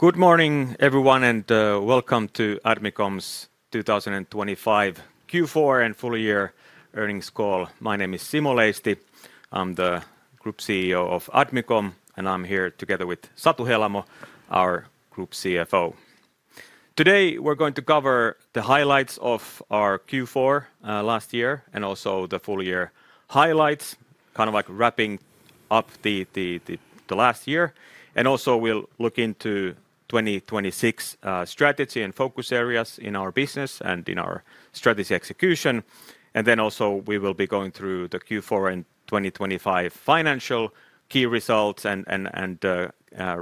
Good morning, everyone, and welcome to Admicom's 2025 Q4 and full-year earnings call. My name is Simo Leisti. I'm the Group CEO of Admicom, and I'm here together with Satu Helamo, our Group CFO. Today, we're going to cover the highlights of our Q4 last year and also the full-year highlights, kind of like wrapping up the last year. And also, we'll look into 2026 strategy and focus areas in our business and in our strategy execution. And then also, we will be going through the Q4 and 2025 financial key results and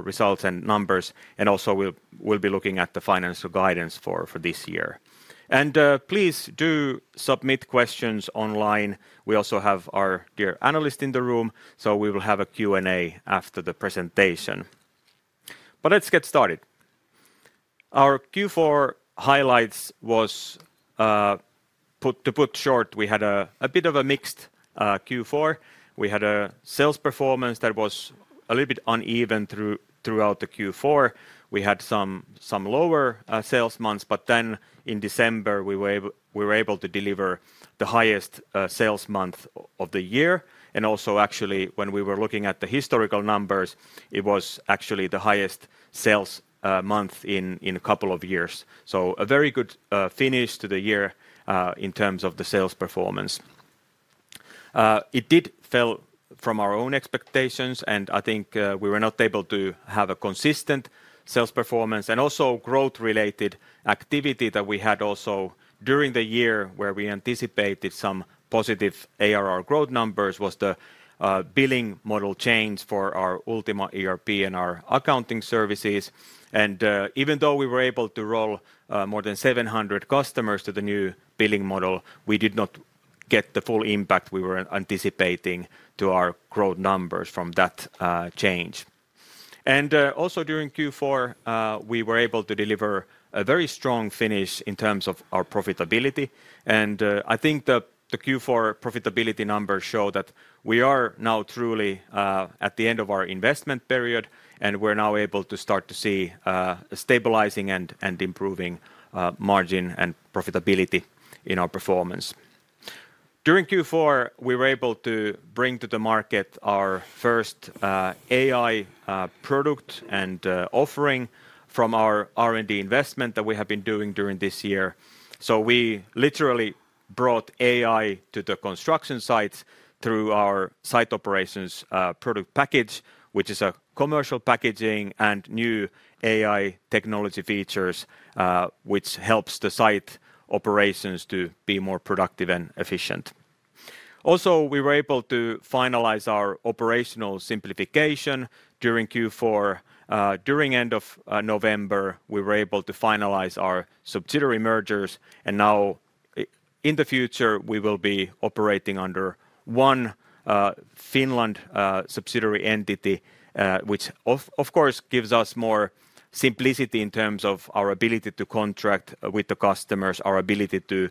results and numbers. And also, we'll be looking at the financial guidance for this year. And please do submit questions online. We also have our dear analyst in the room, so we will have a Q&A after the presentation. But let's get started. Our Q4 highlights was, to put short, we had a bit of a mixed Q4. We had a sales performance that was a little bit uneven throughout the Q4. We had some lower sales months, but then in December, we were able to deliver the highest sales month of the year, and also, actually, when we were looking at the historical numbers, it was actually the highest sales month in a couple of years, so a very good finish to the year in terms of the sales performance. It did fell from our own expectations, and I think we were not able to have a consistent sales performance, and also, growth-related activity that we had also during the year where we anticipated some positive ARR growth numbers was the billing model change for our Ultima ERP and our accounting services. Even though we were able to roll more than 700 customers to the new billing model, we did not get the full impact we were anticipating to our growth numbers from that change. Also, during Q4, we were able to deliver a very strong finish in terms of our profitability. I think the Q4 profitability numbers show that we are now truly at the end of our investment period, and we're now able to start to see stabilizing and improving margin and profitability in our performance. During Q4, we were able to bring to the market our first AI product and offering from our R&D investment that we have been doing during this year. So we literally brought AI to the construction sites through our Site Operations product package, which is a commercial packaging and new AI technology features, which helps the Site Operations to be more productive and efficient. Also, we were able to finalize our operational simplification during Q4. During the end of November, we were able to finalize our subsidiary mergers. And now, in the future, we will be operating under one Finland subsidiary entity, which, of course, gives us more simplicity in terms of our ability to contract with the customers, our ability to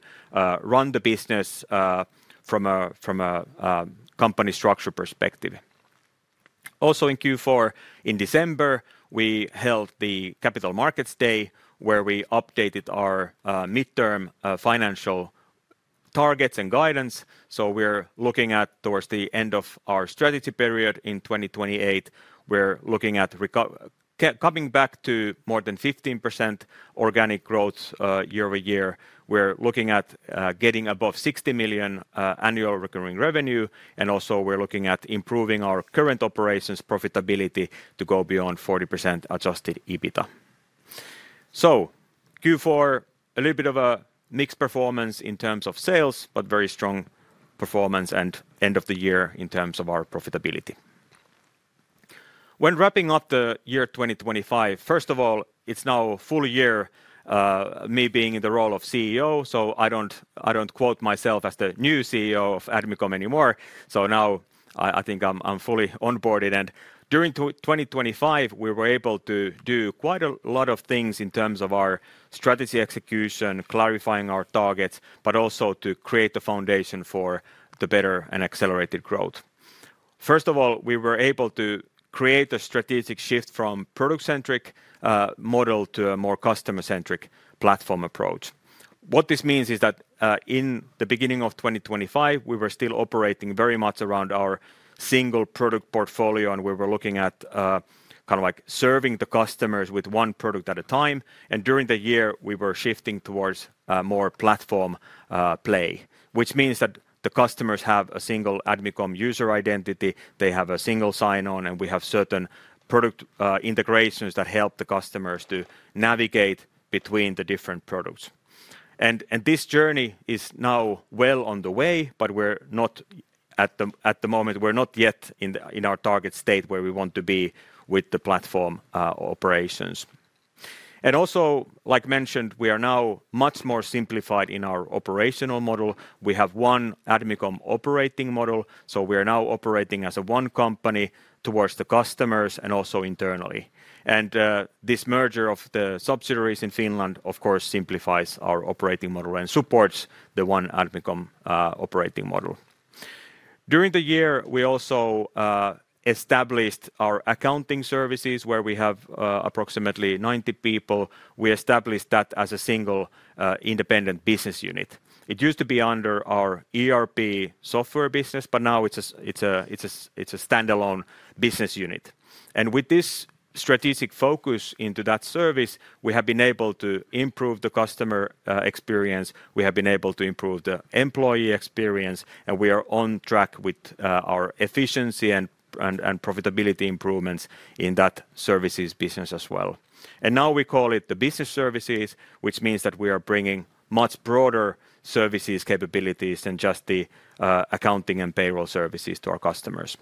run the business from a company structure perspective. Also, in Q4, in December, we held the Capital Markets Day, where we updated our midterm financial targets and guidance. So we're looking at, towards the end of our strategy period in 2028, we're looking at coming back to more than 15% organic growth year-over-year. We're looking at getting above 60 million annual recurring revenue, and also, we're looking at improving our current operations profitability to go beyond 40% adjusted EBITDA, so Q4, a little bit of a mixed performance in terms of sales, but very strong performance and end of the year in terms of our profitability. When wrapping up the year 2025, first of all, it's now a full year, me being in the role of CEO, so I don't quote myself as the new CEO of Admicom anymore, so now, I think I'm fully onboarded, and during 2025, we were able to do quite a lot of things in terms of our strategy execution, clarifying our targets, but also to create a foundation for the better and accelerated growth. First of all, we were able to create a strategic shift from a product-centric model to a more customer-centric platform approach. What this means is that in the beginning of 2025, we were still operating very much around our single product portfolio, and we were looking at kind of like serving the customers with one product at a time, and during the year, we were shifting towards more platform play, which means that the customers have a single Admicom user identity, they have a single sign-on, and we have certain product integrations that help the customers to navigate between the different products, and this journey is now well on the way, but we're not at the moment, we're not yet in our target state where we want to be with the platform operations, and also, like mentioned, we are now much more simplified in our operational model. We have One Admicom operating model, so we are now operating as one company towards the customers and also internally. This merger of the subsidiaries in Finland, of course, simplifies our operating model and supports the One Admicom operating model. During the year, we also established our accounting services, where we have approximately 90 people. We established that as a single independent business unit. It used to be under our ERP software business, but now it's a standalone business unit. With this strategic focus into that service, we have been able to improve the customer experience, we have been able to improve the employee experience, and we are on track with our efficiency and profitability improvements in that services business as well. Now we call it the Business Services, which means that we are bringing much broader services capabilities than just the accounting and payroll services to our customers.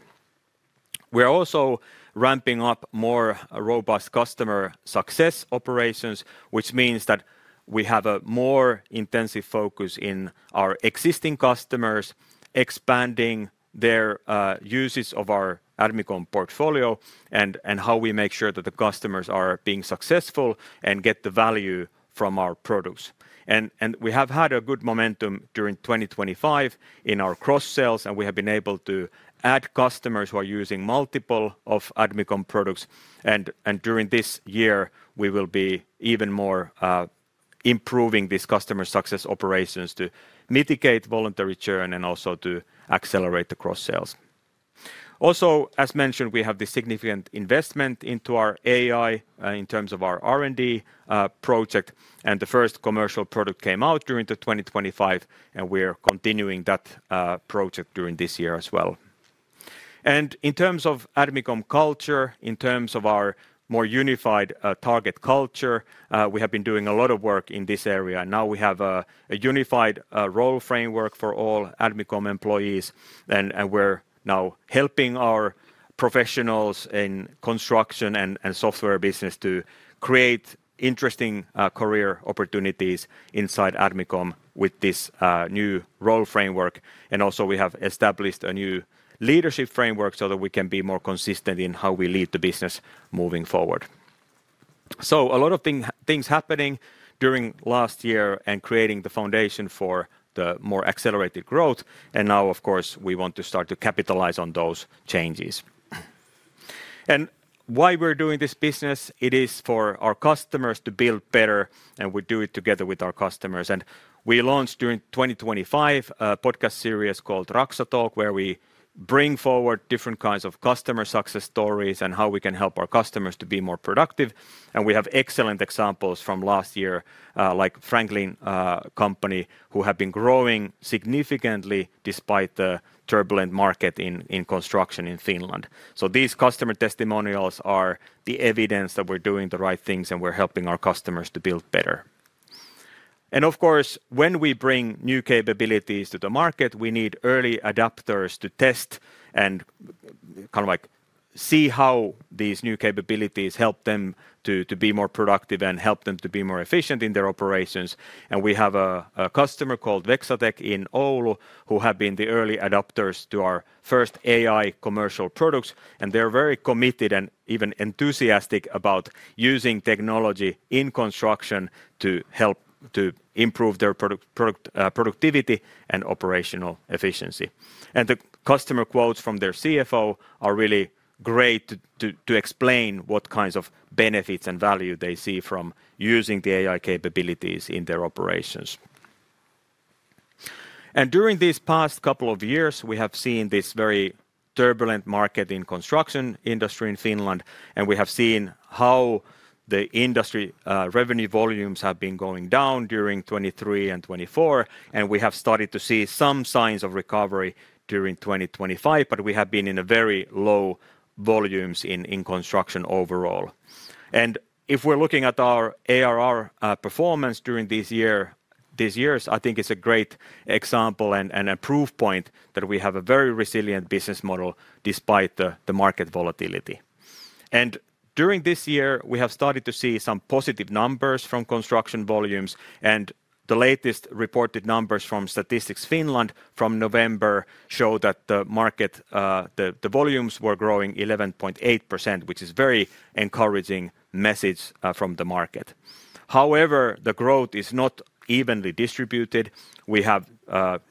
We are also ramping up more robust customer success operations, which means that we have a more intensive focus in our existing customers, expanding their uses of our Admicom portfolio and how we make sure that the customers are being successful and get the value from our products. And we have had a good momentum during 2025 in our cross-sales, and we have been able to add customers who are using multiple Admicom products. And during this year, we will be even more improving these customer success operations to mitigate voluntary churn and also to accelerate the cross-sales. Also, as mentioned, we have the significant investment into our AI in terms of our R&D project, and the first commercial product came out during 2025, and we are continuing that project during this year as well. And in terms of Admicom culture, in terms of our more unified target culture, we have been doing a lot of work in this area. Now we have a unified role framework for all Admicom employees, and we're now helping our professionals in construction and software business to create interesting career opportunities inside Admicom with this new role framework. And also, we have established a new leadership framework so that we can be more consistent in how we lead the business moving forward. So a lot of things happening during last year and creating the foundation for the more accelerated growth. And now, of course, we want to start to capitalize on those changes. And why we're doing this business? It is for our customers to build better, and we do it together with our customers. We launched during 2025 a podcast series called RaksaTalk, where we bring forward different kinds of customer success stories and how we can help our customers to be more productive. We have excellent examples from last year, like Franklin Company, who have been growing significantly despite the turbulent market in construction in Finland. These customer testimonials are the evidence that we're doing the right things and we're helping our customers to build better. Of course, when we bring new capabilities to the market, we need early adopters to test and kind of like see how these new capabilities help them to be more productive and help them to be more efficient in their operations. And we have a customer called Veksa-Tech in Oulu, who have been the early adopters to our first AI commercial products, and they're very committed and even enthusiastic about using technology in construction to help to improve their productivity and operational efficiency. And the customer quotes from their CFO are really great to explain what kinds of benefits and value they see from using the AI capabilities in their operations. And during these past couple of years, we have seen this very turbulent market in the construction industry in Finland, and we have seen how the industry revenue volumes have been going down during 2023 and 2024, and we have started to see some signs of recovery during 2025, but we have been in very low volumes in construction overall. And if we're looking at our ARR performance during these years, I think it's a great example and a proof point that we have a very resilient business model despite the market volatility. And during this year, we have started to see some positive numbers from construction volumes, and the latest reported numbers from Statistics Finland from November show that the market, the volumes were growing 11.8%, which is a very encouraging message from the market. However, the growth is not evenly distributed. We have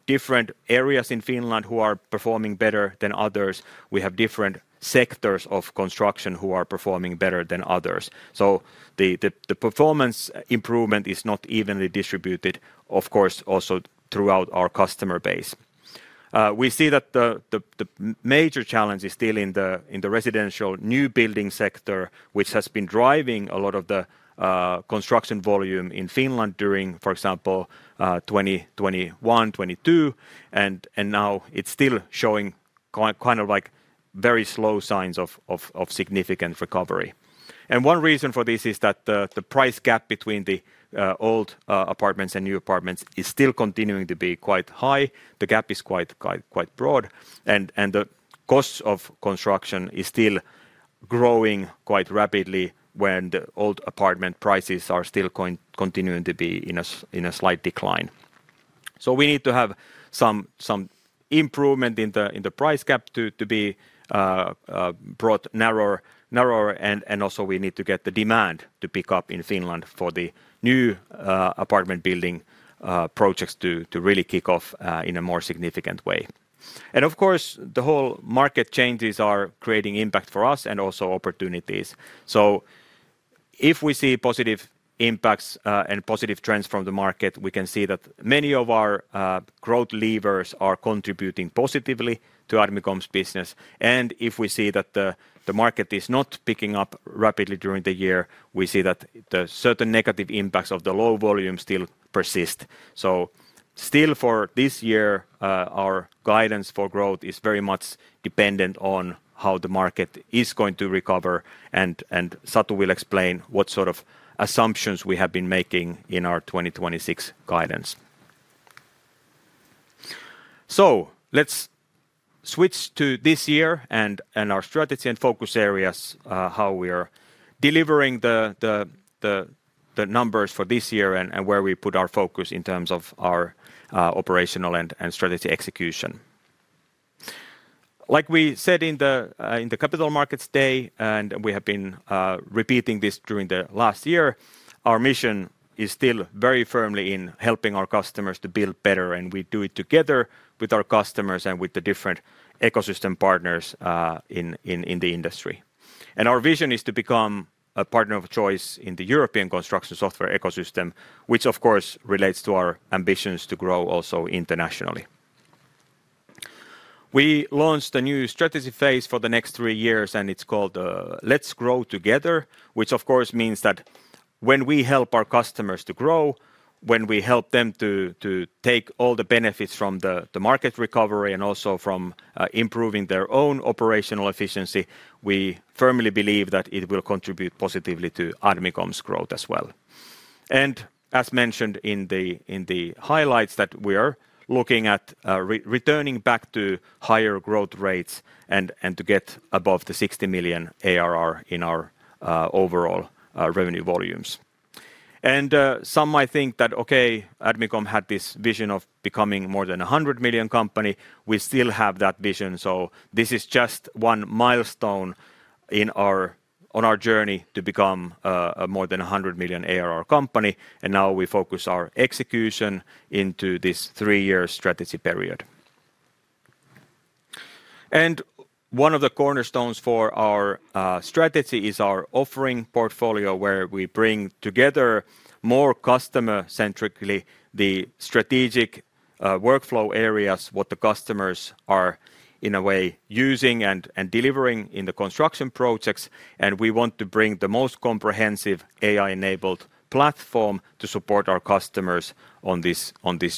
different areas in Finland who are performing better than others. We have different sectors of construction who are performing better than others. So the performance improvement is not evenly distributed, of course, also throughout our customer base. We see that the major challenge is still in the residential new building sector, which has been driving a lot of the construction volume in Finland during, for example, 2021, 2022, and now it's still showing kind of like very slow signs of significant recovery, and one reason for this is that the price gap between the old apartments and new apartments is still continuing to be quite high. The gap is quite broad, and the cost of construction is still growing quite rapidly when the old apartment prices are still continuing to be in a slight decline, so we need to have some improvement in the price gap to be brought narrower, and also we need to get the demand to pick up in Finland for the new apartment building projects to really kick off in a more significant way. And of course, the whole market changes are creating impact for us and also opportunities. So if we see positive impacts and positive trends from the market, we can see that many of our growth levers are contributing positively to Admicom's business. And if we see that the market is not picking up rapidly during the year, we see that the certain negative impacts of the low volume still persist. So still for this year, our guidance for growth is very much dependent on how the market is going to recover, and Satu will explain what sort of assumptions we have been making in our 2026 guidance. So let's switch to this year and our strategy and focus areas, how we are delivering the numbers for this year and where we put our focus in terms of our operational and strategy execution. Like we said in the Capital Markets Day, and we have been repeating this during the last year, our mission is still very firmly in helping our customers to build better, and we do it together with our customers and with the different ecosystem partners in the industry, and our vision is to become a partner of choice in the European construction software ecosystem, which of course relates to our ambitions to grow also internationally. We launched a new strategy phase for the next three years, and it's called Let's grow together, which of course means that when we help our customers to grow, when we help them to take all the benefits from the market recovery and also from improving their own operational efficiency, we firmly believe that it will contribute positively to Admicom's growth as well. And as mentioned in the highlights that we are looking at returning back to higher growth rates and to get above the 60 million ARR in our overall revenue volumes. And some might think that, okay, Admicom had this vision of becoming more than a 100 million company. We still have that vision. So this is just one milestone on our journey to become a more than a 100 million ARR company. And now we focus our execution into this three-year strategy period. And one of the cornerstones for our strategy is our offering portfolio, where we bring together more customer-centrically the strategic workflow areas, what the customers are in a way using and delivering in the construction projects. And we want to bring the most comprehensive AI-enabled platform to support our customers on this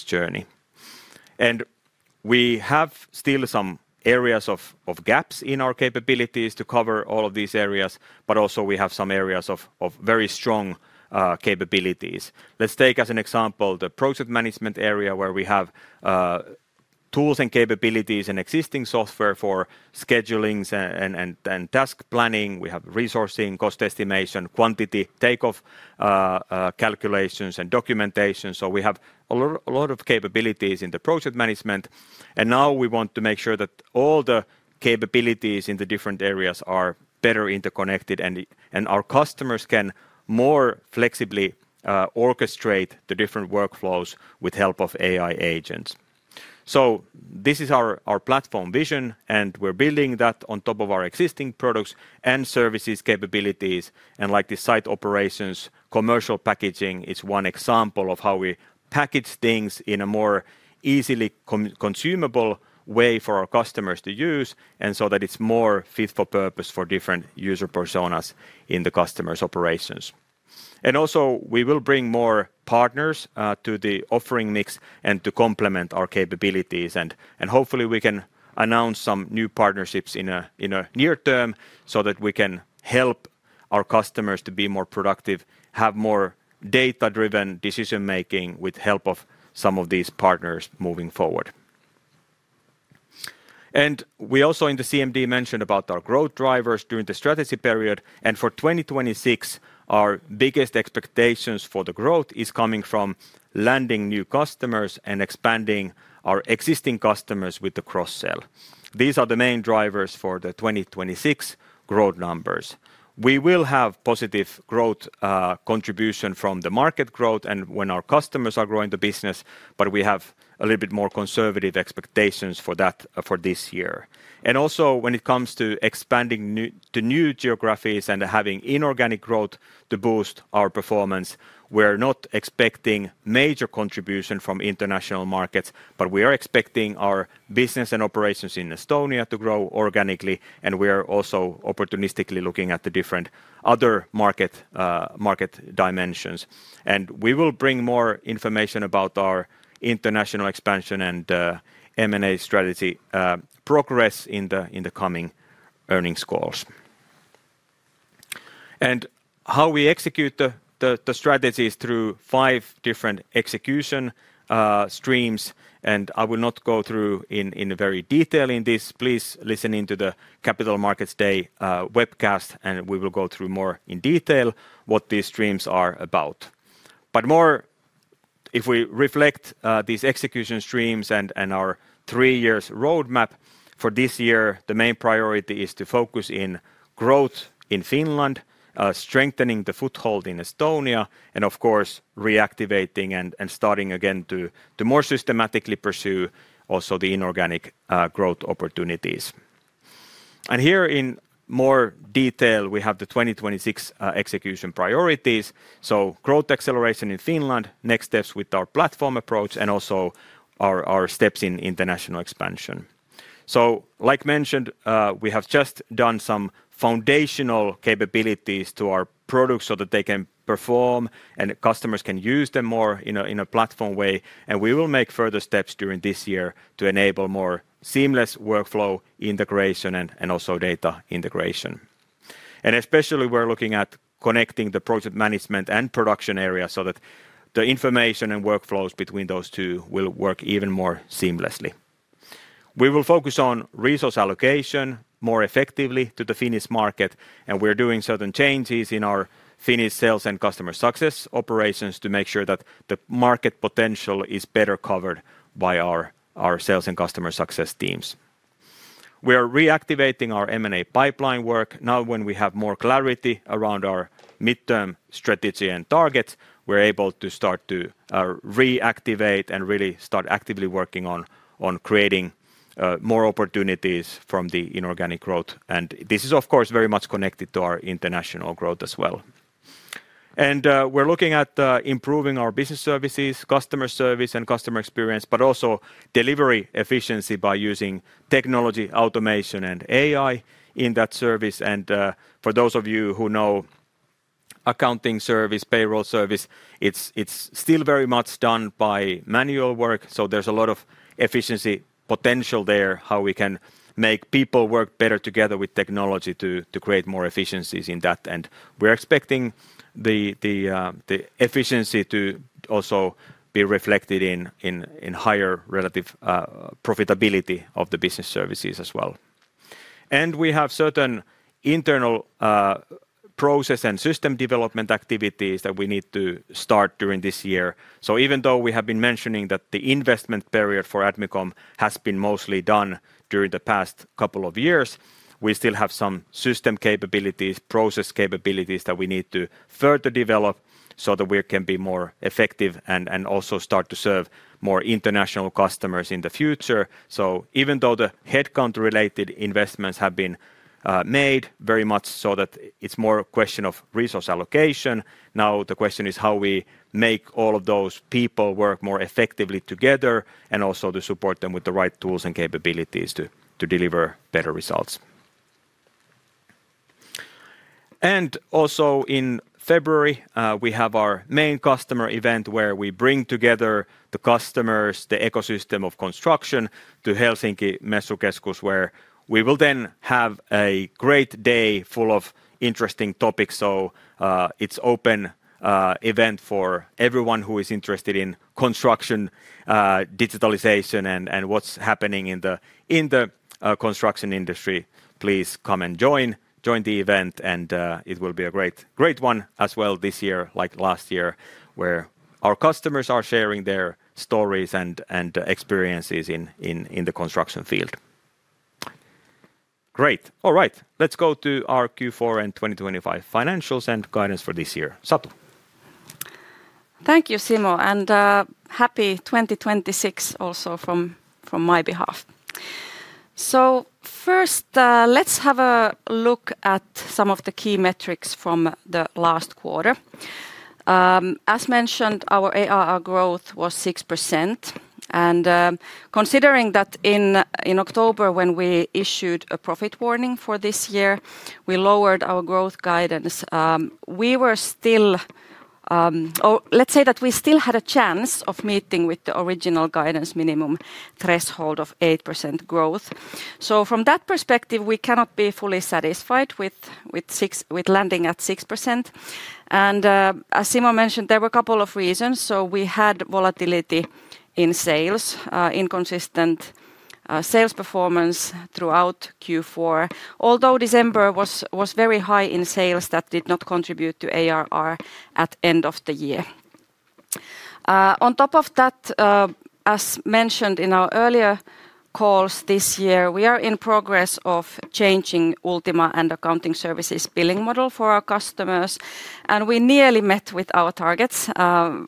journey. We have still some areas of gaps in our capabilities to cover all of these areas, but also we have some areas of very strong capabilities. Let's take as an example the project management area, where we have tools and capabilities and existing software for schedulings and task planning. We have resourcing, cost estimation, quantity, takeoff calculations, and documentation. We have a lot of capabilities in the project management. Now we want to make sure that all the capabilities in the different areas are better interconnected and our customers can more flexibly orchestrate the different workflows with the help of AI agents. This is our platform vision, and we're building that on top of our existing products and services capabilities. Like the Site Operations commercial packaging is one example of how we package things in a more easily consumable way for our customers to use and so that it's more fit for purpose for different user personas in the customer's operations. We also will bring more partners to the offering mix and to complement our capabilities. Hopefully we can announce some new partnerships in a near term so that we can help our customers to be more productive, have more data-driven decision-making with the help of some of these partners moving forward. We also in the CMD mentioned about our growth drivers during the strategy period. For 2026, our biggest expectations for the growth is coming from landing new customers and expanding our existing customers with the cross-sell. These are the main drivers for the 2026 growth numbers. We will have positive growth contribution from the market growth and when our customers are growing the business, but we have a little bit more conservative expectations for that for this year, and also when it comes to expanding to new geographies and having inorganic growth to boost our performance, we're not expecting major contribution from international markets, but we are expecting our business and operations in Estonia to grow organically, and we are also opportunistically looking at the different other market dimensions, and we will bring more information about our international expansion and M&A strategy progress in the coming earnings calls, and how we execute the strategy is through five different execution streams, and I will not go through in very detail in this. Please listen into the Capital Markets Day webcast, and we will go through more in detail what these streams are about. But more if we reflect these execution streams and our three-year roadmap for this year, the main priority is to focus in growth in Finland, strengthening the foothold in Estonia, and of course reactivating and starting again to more systematically pursue also the inorganic growth opportunities. And here in more detail, we have the 2026 execution priorities. So growth acceleration in Finland, next steps with our platform approach, and also our steps in international expansion. So like mentioned, we have just done some foundational capabilities to our products so that they can perform and customers can use them more in a platform way. And we will make further steps during this year to enable more seamless workflow integration and also data integration. And especially we're looking at connecting the project management and production area so that the information and workflows between those two will work even more seamlessly. We will focus on resource allocation more effectively to the Finnish market, and we're doing certain changes in our Finnish sales and customer success operations to make sure that the market potential is better covered by our sales and customer success teams. We are reactivating our M&A pipeline work. Now when we have more clarity around our midterm strategy and targets, we're able to start to reactivate and really start actively working on creating more opportunities from the inorganic growth. And this is of course very much connected to our international growth as well. And we're looking at improving our Business Services, customer service and customer experience, but also delivery efficiency by using technology, automation, and AI in that service. And for those of you who know accounting service, payroll service, it's still very much done by manual work. So there's a lot of efficiency potential there, how we can make people work better together with technology to create more efficiencies in that. And we're expecting the efficiency to also be reflected in higher relative profitability of the Business Services as well. And we have certain internal process and system development activities that we need to start during this year. So even though we have been mentioning that the investment period for Admicom has been mostly done during the past couple of years, we still have some system capabilities, process capabilities that we need to further develop so that we can be more effective and also start to serve more international customers in the future. So even though the headcount-related investments have been made very much so that it's more a question of resource allocation, now the question is how we make all of those people work more effectively together and also to support them with the right tools and capabilities to deliver better results, and also in February, we have our main customer event where we bring together the customers, the ecosystem of construction to Helsinki Messukeskus, where we will then have a great day full of interesting topics, so it's an open event for everyone who is interested in construction, digitalization, and what's happening in the construction industry. Please come and join the event, and it will be a great one as well this year like last year where our customers are sharing their stories and experiences in the construction field. Great. All right. Let's go to our Q4 and 2025 financials and guidance for this year. Satu? Thank you, Simo, and happy 2026 also from my behalf. So first, let's have a look at some of the key metrics from the last quarter. As mentioned, our ARR growth was 6%. And considering that in October when we issued a profit warning for this year, we lowered our growth guidance, we were still, let's say that we still had a chance of meeting with the original guidance minimum threshold of 8% growth. So from that perspective, we cannot be fully satisfied with landing at 6%. And as Simo mentioned, there were a couple of reasons. So we had volatility in sales, inconsistent sales performance throughout Q4, although December was very high in sales that did not contribute to ARR at the end of the year. On top of that, as mentioned in our earlier calls this year, we are in progress of changing Ultima and accounting services billing model for our customers, and we nearly met with our targets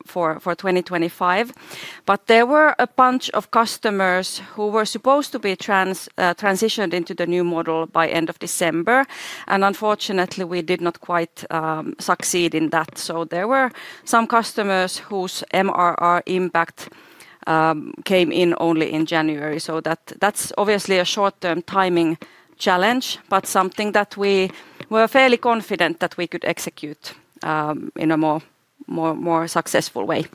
for 2025. But there were a bunch of customers who were supposed to be transitioned into the new model by end of December, and unfortunately, we did not quite succeed in that. So there were some customers whose MRR impact came in only in January. So that's obviously a short-term timing challenge, but something that we were fairly confident that we could execute in a more successful way.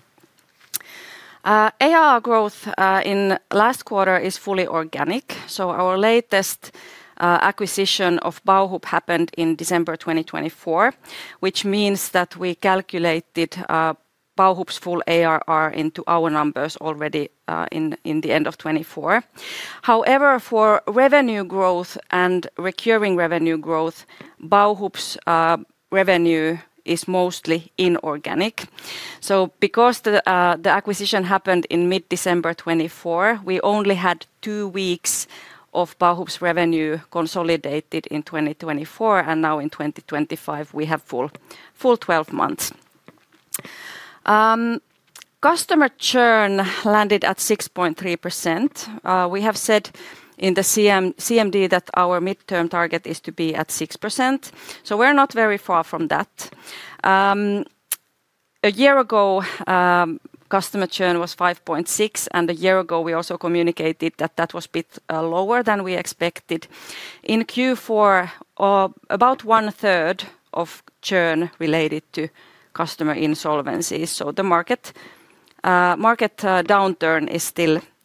ARR growth in last quarter is fully organic. So our latest acquisition of Bauhub happened in December 2024, which means that we calculated Bauhub's full ARR into our numbers already in the end of 2024. However, for revenue growth and recurring revenue growth, Bauhub's revenue is mostly inorganic. So because the acquisition happened in mid-December 2024, we only had two weeks of Bauhub's revenue consolidated in 2024. And now in 2025, we have full 12 months. Customer churn landed at 6.3%. We have said in the CMD that our midterm target is to be at 6%. So we're not very far from that. A year ago, customer churn was 5.6%. And a year ago, we also communicated that that was a bit lower than we expected. In Q4, about 1/3 of churn related to customer insolvencies. So the market downturn is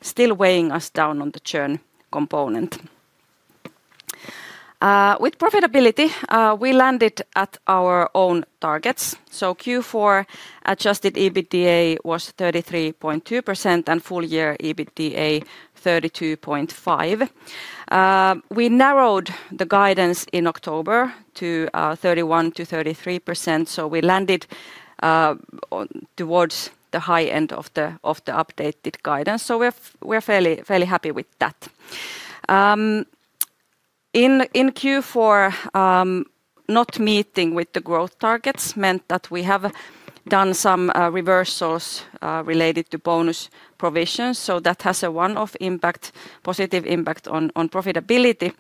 still weighing us down on the churn component. With profitability, we landed at our own targets. So Q4 adjusted EBITDA was 33.2% and full-year EBITDA 32.5%. We narrowed the guidance in October to 31%-33%. So we landed towards the high end of the updated guidance. So we're fairly happy with that. In Q4, not meeting with the growth targets meant that we have done some reversals related to bonus provisions, so that has a one-off impact, positive impact on profitability,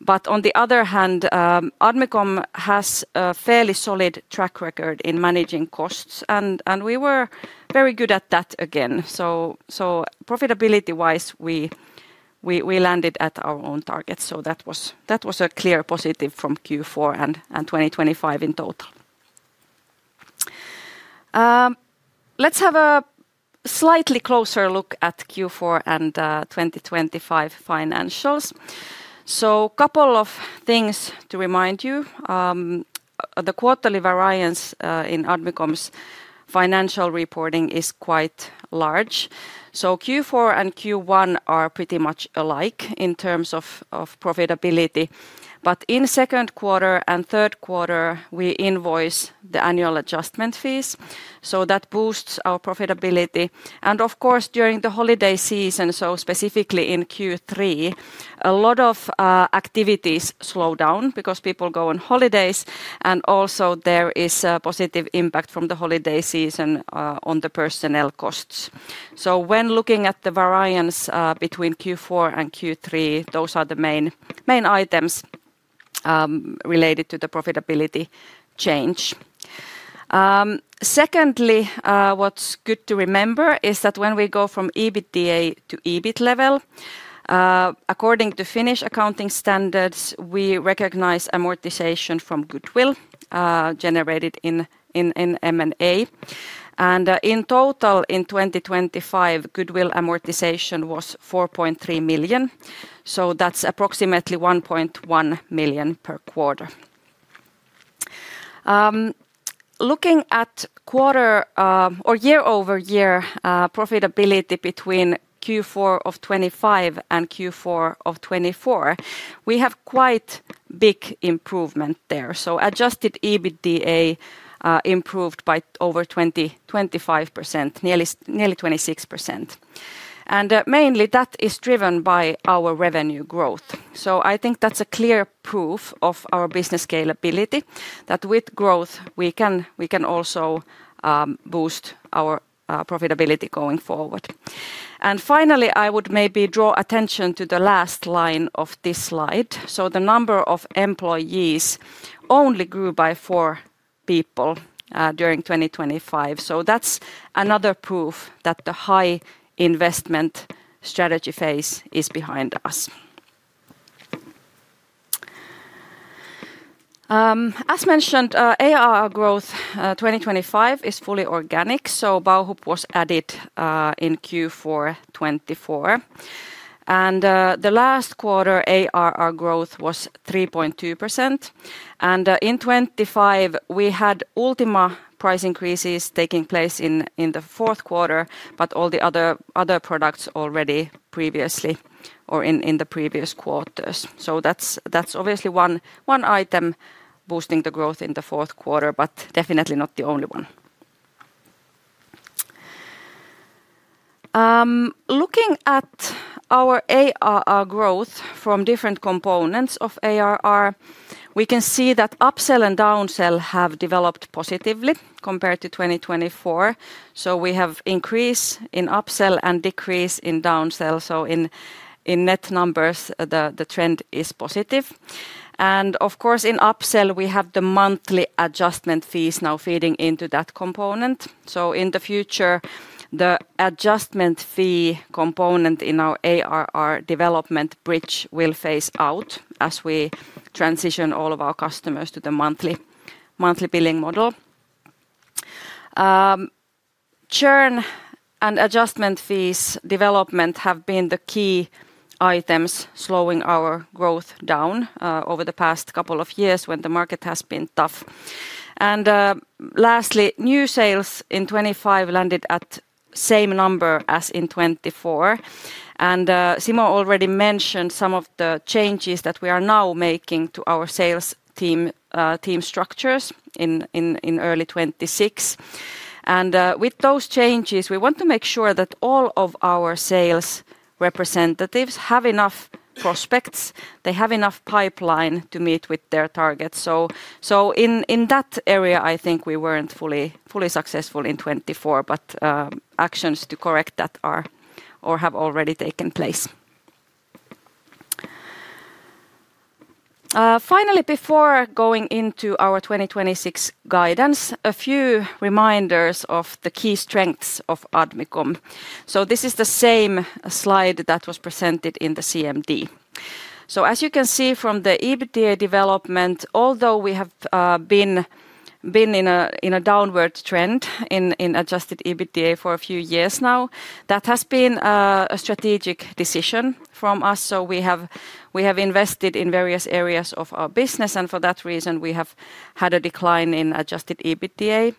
but on the other hand, Admicom has a fairly solid track record in managing costs, and we were very good at that again, so profitability-wise, we landed at our own targets, so that was a clear positive from Q4 and 2025 in total. Let's have a slightly closer look at Q4 and 2025 financials, so a couple of things to remind you. The quarterly variance in Admicom's financial reporting is quite large, so Q4 and Q1 are pretty much alike in terms of profitability, but in second quarter and third quarter, we invoice the annual adjustment fees, so that boosts our profitability. And of course, during the holiday season, so specifically in Q3, a lot of activities slow down because people go on holidays. And also there is a positive impact from the holiday season on the personnel costs. So when looking at the variance between Q4 and Q3, those are the main items related to the profitability change. Secondly, what's good to remember is that when we go from EBITDA to EBIT level, according to Finnish accounting standards, we recognize amortization from goodwill generated in M&A. And in total, in 2025, goodwill amortization was 4.3 million. So that's approximately 1.1 million per quarter. Looking at quarter or year-over-year profitability between Q4 of 2025 and Q4 of 2024, we have quite big improvement there. So adjusted EBITDA improved by over 25%, nearly 26%. And mainly that is driven by our revenue growth. I think that's a clear proof of our business scalability that with growth, we can also boost our profitability going forward. And finally, I would maybe draw attention to the last line of this slide. So the number of employees only grew by four people during 2025. So that's another proof that the high investment strategy phase is behind us. As mentioned, ARR growth 2025 is fully organic. So Bauhub was added in Q4 2024. And the last quarter ARR growth was 3.2%. And in 2025, we had Ultima price increases taking place in the fourth quarter, but all the other products already previously or in the previous quarters. So that's obviously one item boosting the growth in the fourth quarter, but definitely not the only one. Looking at our ARR growth from different components of ARR, we can see that upsell and downsell have developed positively compared to 2024, so we have increase in upsell and decrease in downsell. So in net numbers, the trend is positive, and of course, in upsell, we have the monthly adjustment fees now feeding into that component. So in the future, the adjustment fee component in our ARR development bridge will phase out as we transition all of our customers to the monthly billing model. Churn and adjustment fees development have been the key items slowing our growth down over the past couple of years when the market has been tough, and lastly, new sales in 2025 landed at the same number as in 2024, and Simo already mentioned some of the changes that we are now making to our sales team structures in early 2026. And with those changes, we want to make sure that all of our sales representatives have enough prospects. They have enough pipeline to meet with their targets. So in that area, I think we weren't fully successful in 2024, but actions to correct that are or have already taken place. Finally, before going into our 2026 guidance, a few reminders of the key strengths of Admicom. So this is the same slide that was presented in the CMD. So as you can see from the EBITDA development, although we have been in a downward trend in adjusted EBITDA for a few years now, that has been a strategic decision from us. So we have invested in various areas of our business. And for that reason, we have had a decline in adjusted EBITDA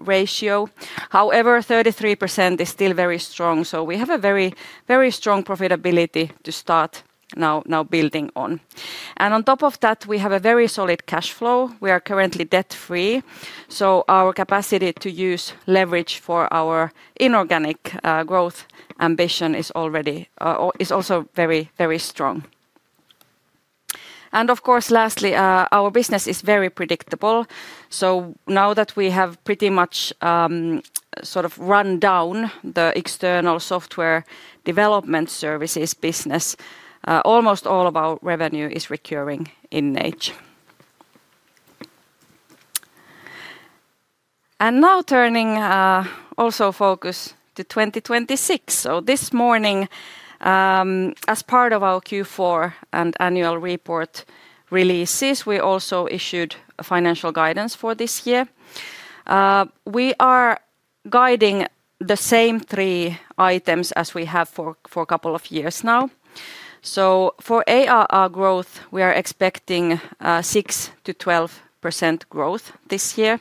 ratio. However, 33% is still very strong. So we have a very strong profitability to start now building on. And on top of that, we have a very solid cash flow. We are currently debt-free. So our capacity to use leverage for our inorganic growth ambition is also very strong. And of course, lastly, our business is very predictable. So now that we have pretty much sort of run down the external software development services business, almost all of our revenue is recurring in nature. And now turning also focus to 2026. So this morning, as part of our Q4 and annual report releases, we also issued financial guidance for this year. We are guiding the same three items as we have for a couple of years now. So for ARR growth, we are expecting 6%-12% growth this year.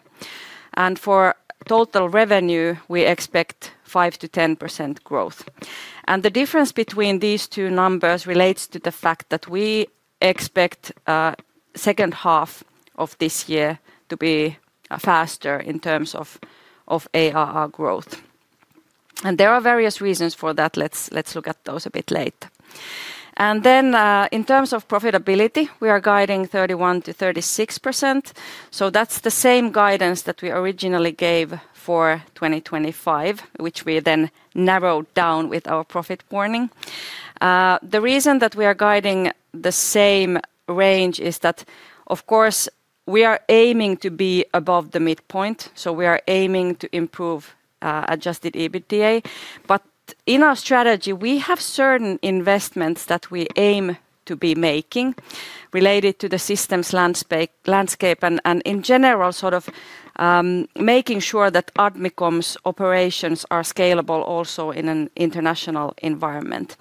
And for total revenue, we expect 5%-10% growth. The difference between these two numbers relates to the fact that we expect the second half of this year to be faster in terms of ARR growth. There are various reasons for that. Let's look at those a bit later. Then in terms of profitability, we are guiding 31%-36%. That's the same guidance that we originally gave for 2025, which we then narrowed down with our profit warning. The reason that we are guiding the same range is that, of course, we are aiming to be above the midpoint. We are aiming to improve adjusted EBITDA. But in our strategy, we have certain investments that we aim to be making related to the system's landscape and in general sort of making sure that Admicom's operations are scalable also in an international environment.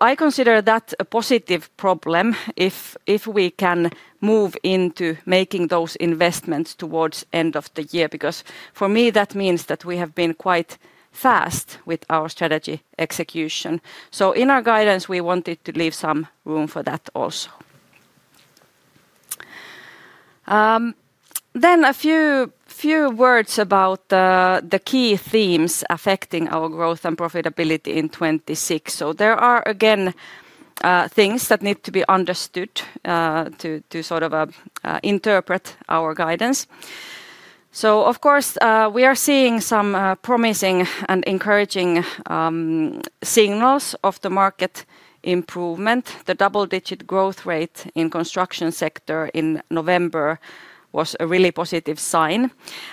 I consider that a positive problem if we can move into making those investments towards the end of the year because for me, that means that we have been quite fast with our strategy execution. In our guidance, we wanted to leave some room for that also. A few words about the key themes affecting our growth and profitability in 2026. There are again things that need to be understood to sort of interpret our guidance. Of course, we are seeing some promising and encouraging signals of the market improvement. The double-digit growth rate in the construction sector in November was a really positive sign.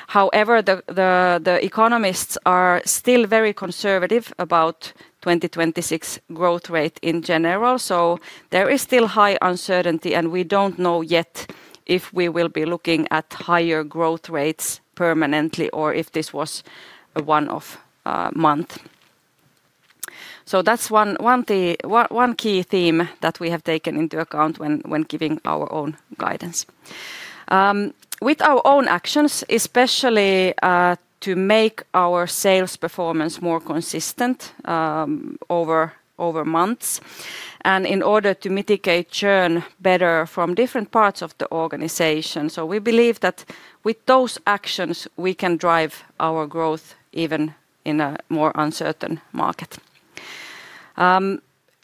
However, the economists are still very conservative about the 2026 growth rate in general. So there is still high uncertainty, and we don't know yet if we will be looking at higher growth rates permanently or if this was a one-off month. So that's one key theme that we have taken into account when giving our own guidance. With our own actions, especially to make our sales performance more consistent over months and in order to mitigate churn better from different parts of the organization. So we believe that with those actions, we can drive our growth even in a more uncertain market.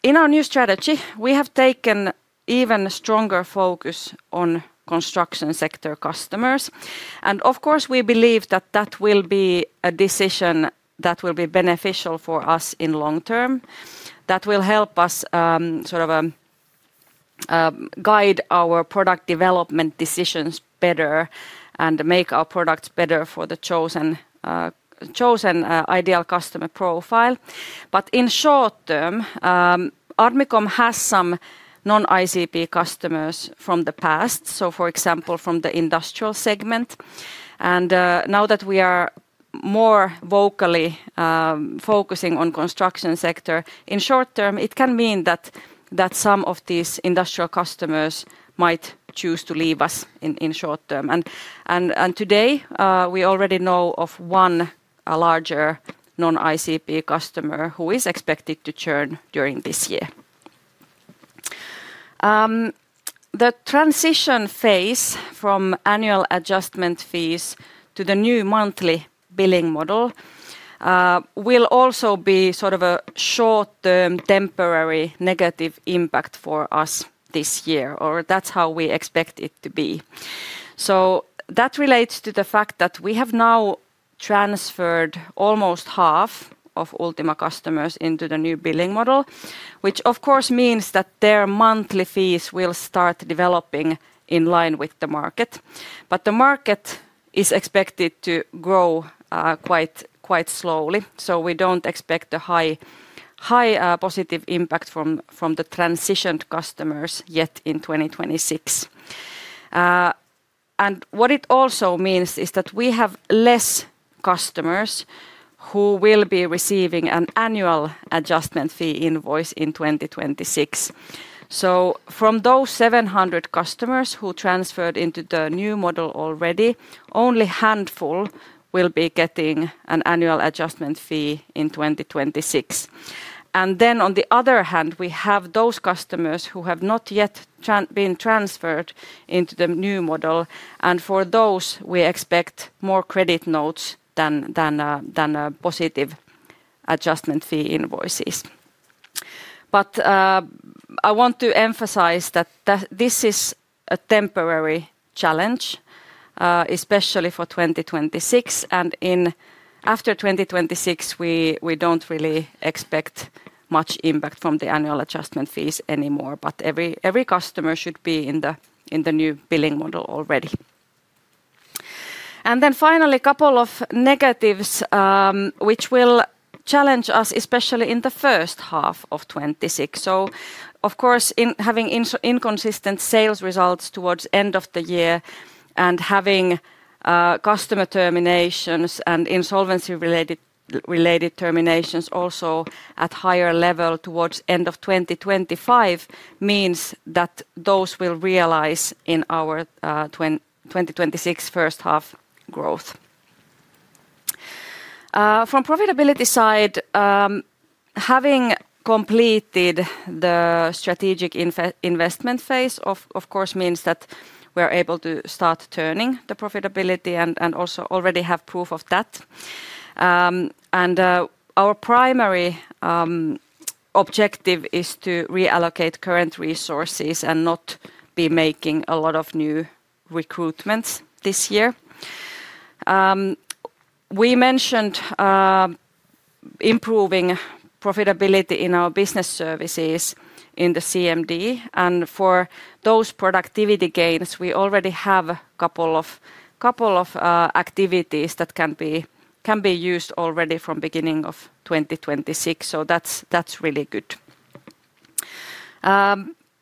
In our new strategy, we have taken even stronger focus on construction sector customers. And of course, we believe that that will be a decision that will be beneficial for us in the long term. That will help us sort of guide our product development decisions better and make our products better for the chosen ideal customer profile. But in short term, Admicom has some non-ICP customers from the past, so for example, from the industrial segment. And now that we are more vocally focusing on the construction sector, in short term, it can mean that some of these industrial customers might choose to leave us in short term. And today, we already know of one larger non-ICP customer who is expected to churn during this year. The transition phase from annual adjustment fees to the new monthly billing model will also be sort of a short-term temporary negative impact for us this year, or that's how we expect it to be. So that relates to the fact that we have now transferred almost half of Ultima customers into the new billing model, which of course means that their monthly fees will start developing in line with the market. But the market is expected to grow quite slowly. So we don't expect a high positive impact from the transitioned customers yet in 2026. And what it also means is that we have less customers who will be receiving an annual adjustment fee invoice in 2026. So from those 700 customers who transferred into the new model already, only a handful will be getting an annual adjustment fee in 2026. And then on the other hand, we have those customers who have not yet been transferred into the new model. And for those, we expect more credit notes than positive adjustment fee invoices. But I want to emphasize that this is a temporary challenge, especially for 2026. And after 2026, we don't really expect much impact from the annual adjustment fees anymore. But every customer should be in the new billing model already. And then finally, a couple of negatives which will challenge us, especially in the first half of 2026. So of course, having inconsistent sales results towards the end of the year and having customer terminations and insolvency-related terminations also at a higher level towards the end of 2025 means that those will realize in our 2026 first half growth. From the profitability side, having completed the strategic investment phase of course means that we are able to start turning the profitability and also already have proof of that. And our primary objective is to reallocate current resources and not be making a lot of new recruitments this year. We mentioned improving profitability in our Business Services in the CMD. And for those productivity gains, we already have a couple of activities that can be used already from the beginning of 2026. So that's really good.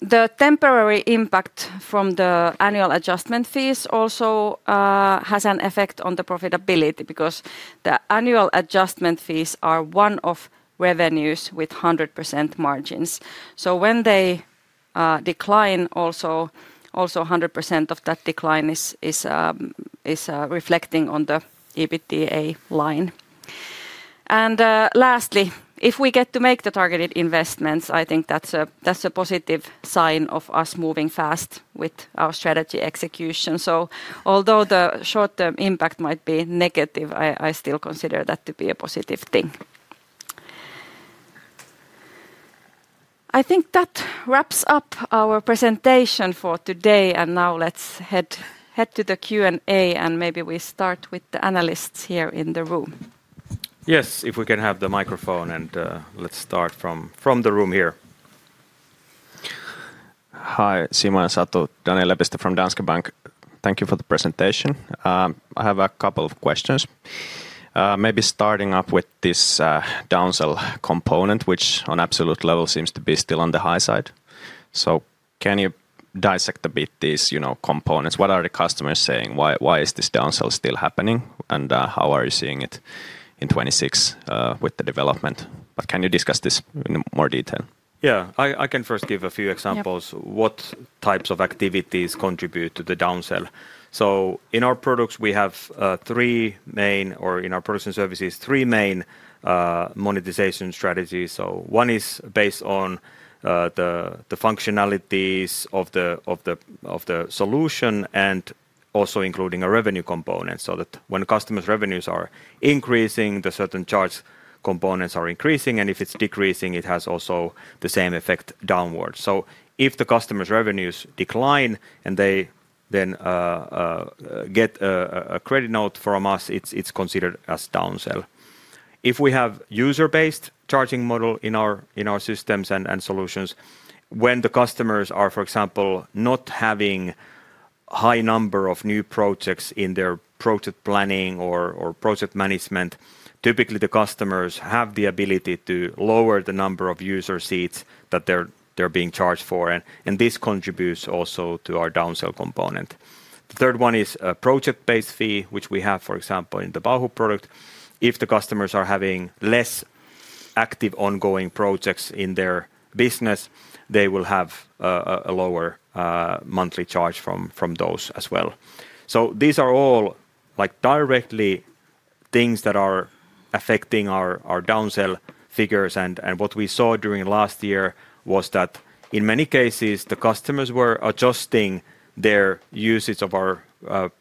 The temporary impact from the annual adjustment fees also has an effect on the profitability because the annual adjustment fees are one of revenues with 100% margins. So when they decline, also 100% of that decline is reflecting on the EBITDA line. And lastly, if we get to make the targeted investments, I think that's a positive sign of us moving fast with our strategy execution. So although the short-term impact might be negative, I still consider that to be a positive thing. I think that wraps up our presentation for today. And now let's head to the Q&A. And maybe we start with the analysts here in the room. Yes, if we can have the microphone and let's start from the room here. Hi, Simo and Satu, Daniel Lepistö from Danske Bank. Thank you for the presentation. I have a couple of questions. Maybe starting off with this downsell component, which on absolute level seems to be still on the high side. So can you dissect a bit these components? What are the customers saying? Why is this downsell still happening? And how are you seeing it in 2026 with the development? But can you discuss this in more detail? Yeah, I can first give a few examples of what types of activities contribute to the downsell. So in our products, we have three main, or in our products and services, three main monetization strategies. So one is based on the functionalities of the solution and also including a revenue component so that when customers' revenues are increasing, the certain charge components are increasing. And if it's decreasing, it has also the same effect downward. So if the customers' revenues decline and they then get a credit note from us, it's considered as downsell. If we have a user-based charging model in our systems and solutions, when the customers are, for example, not having a high number of new projects in their project planning or project management, typically the customers have the ability to lower the number of user seats that they're being charged for. And this contributes also to our downsell component. The third one is a project-based fee, which we have, for example, in the Bauhub product. If the customers are having less active ongoing projects in their business, they will have a lower monthly charge from those as well. So these are all directly things that are affecting our downsell figures. And what we saw during last year was that in many cases, the customers were adjusting their usage of our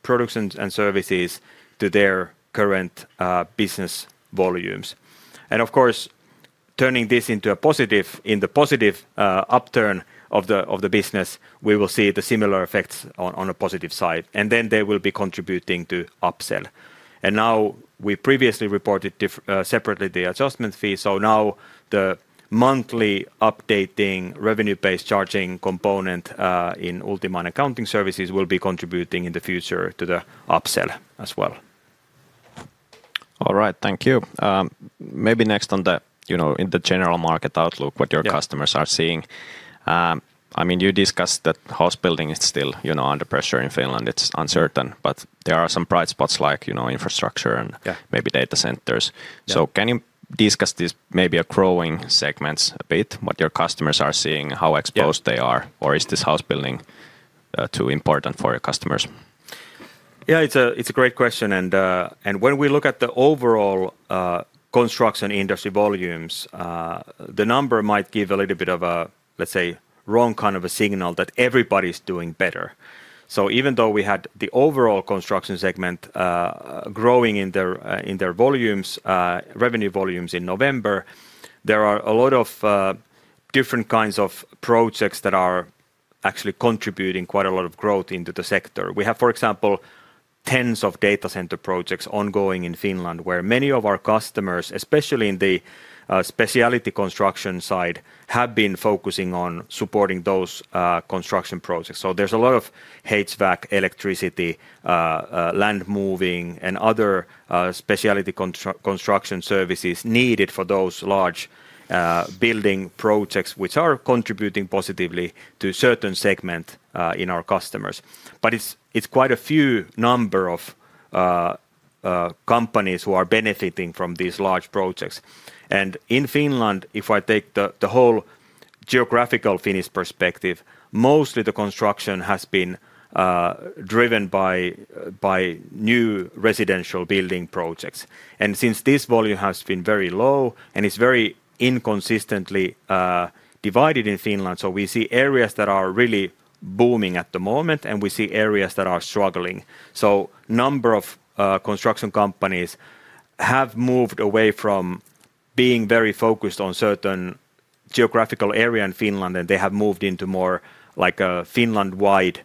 products and services to their current business volumes. And of course, turning this into a positive in the positive upturn of the business, we will see the similar effects on a positive side. And then they will be contributing to upsell. And now we previously reported separately the adjustment fee. So now the monthly updating revenue-based charging component in Ultima and accounting services will be contributing in the future to the upsell as well. All right, thank you. Maybe next on the general market outlook, what your customers are seeing. I mean, you discussed that house building is still under pressure in Finland. It's uncertain, but there are some bright spots like infrastructure and maybe data centers. Can you discuss these maybe growing segments a bit, what your customers are seeing, how exposed they are, or is this house building too important for your customers? Yeah, it's a great question. When we look at the overall construction industry volumes, the number might give a little bit of a, let's say, wrong kind of a signal that everybody's doing better. Even though we had the overall construction segment growing in their revenue volumes in November, there are a lot of different kinds of projects that are actually contributing quite a lot of growth into the sector. We have, for example, tens of data center projects ongoing in Finland where many of our customers, especially in the specialty construction side, have been focusing on supporting those construction projects. There's a lot of HVAC, electricity, land moving, and other specialty construction services needed for those large building projects, which are contributing positively to a certain segment in our customers. But it's quite a few number of companies who are benefiting from these large projects. In Finland, if I take the whole geographical Finnish perspective, mostly the construction has been driven by new residential building projects. Since this volume has been very low and it's very inconsistently divided in Finland, so we see areas that are really booming at the moment and we see areas that are struggling. A number of construction companies have moved away from being very focused on a certain geographical area in Finland, and they have moved into more like a Finland-wide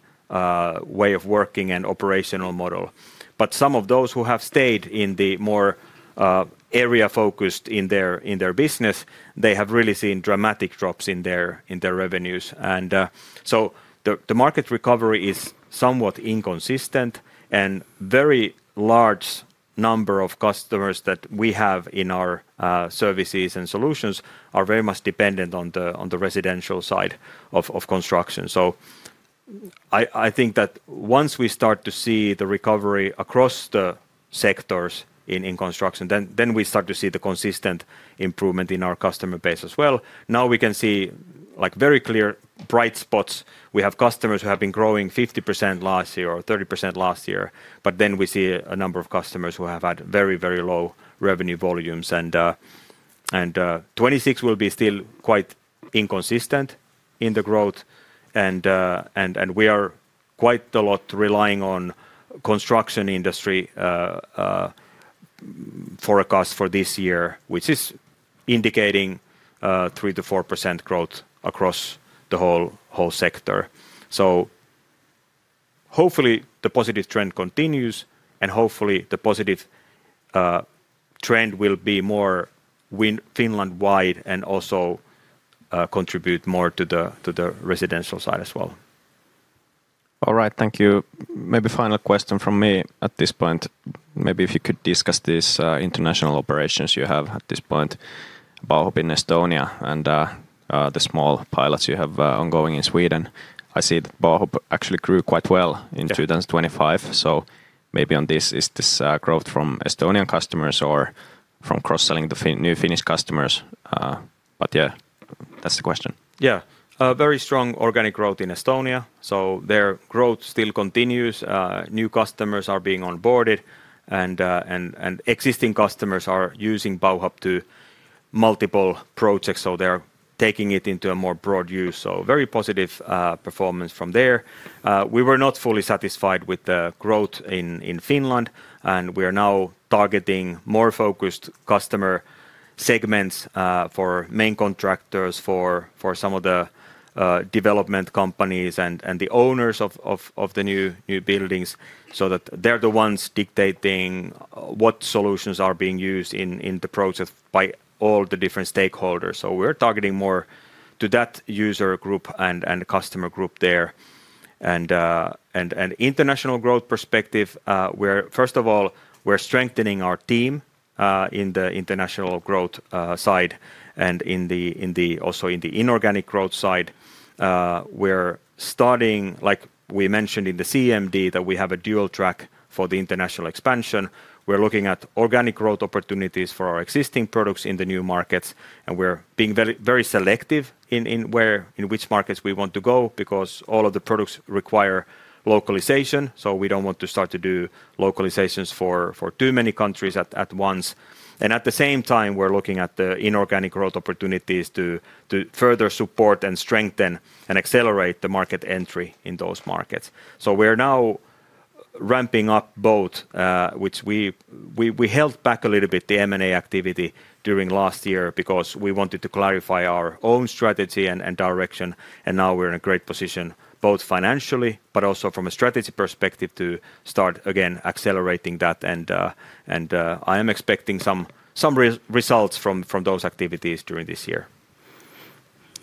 way of working and operational model. But some of those who have stayed in the more area-focused in their business, they have really seen dramatic drops in their revenues. And so the market recovery is somewhat inconsistent, and a very large number of customers that we have in our services and solutions are very much dependent on the residential side of construction. So I think that once we start to see the recovery across the sectors in construction, then we start to see the consistent improvement in our customer base as well. Now we can see very clear bright spots. We have customers who have been growing 50% last year or 30% last year, but then we see a number of customers who have had very, very low revenue volumes. And 2026 will be still quite inconsistent in the growth, and we are quite a lot relying on the construction industry forecast for this year, which is indicating 3%-4% growth across the whole sector. So hopefully the positive trend continues, and hopefully the positive trend will be more Finland-wide and also contribute more to the residential side as well. All right, thank you. Maybe a final question from me at this point. Maybe if you could discuss these international operations you have at this point, Bauhub in Estonia and the small pilots you have ongoing in Sweden. I see that Bauhub actually grew quite well in 2025. So maybe on this is this growth from Estonian customers or from cross-selling to new Finnish customers. But yeah, that's the question. Yeah, very strong organic growth in Estonia. So their growth still continues. New customers are being onboarded, and existing customers are using Bauhub to multiple projects. They're taking it into a more broad use. Very positive performance from there. We were not fully satisfied with the growth in Finland, and we are now targeting more focused customer segments for main contractors, for some of the development companies and the owners of the new buildings, so that they're the ones dictating what solutions are being used in the project by all the different stakeholders. We're targeting more to that user group and customer group there. From an international growth perspective, first of all, we're strengthening our team in the international growth side and also in the inorganic growth side. We're starting, like we mentioned in the CMD, that we have a dual track for the international expansion. We're looking at organic growth opportunities for our existing products in the new markets, and we're being very selective in which markets we want to go because all of the products require localization, so we don't want to start to do localizations for too many countries at once, and at the same time, we're looking at the inorganic growth opportunities to further support and strengthen and accelerate the market entry in those markets, so we're now ramping up both, which we held back a little bit, the M&A activity during last year because we wanted to clarify our own strategy and direction, and now we're in a great position, both financially, but also from a strategy perspective to start again accelerating that, and I am expecting some results from those activities during this year.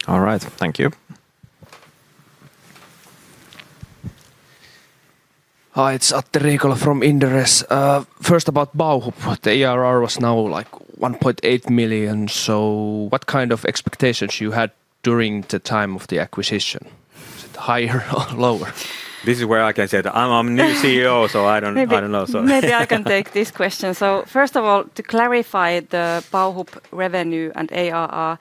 All right, thank you. Hi, it's Atte Riikola from Inderes. First about Bauhub, the ARR was now like 1.8 million. So what kind of expectations you had during the time of the acquisition? Was it higher or lower? This is where I can say that I'm a new CEO, so I don't know. Maybe I can take this question. First of all, to clarify the Bauhub revenue and ARR